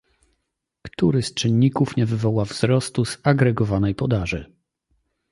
Który z czynników nie wywoła wzrostu zagregowanej podaży: